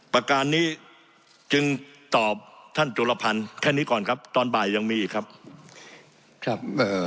ประการนี้จึงตอบท่านจุลพันธ์แค่นี้ก่อนครับตอนบ่ายยังมีอีกครับครับเอ่อ